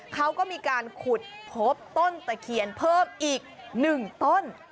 เขาก็มีการขุดพบต้นตะเคียนเพิ่มอีก๑ต้น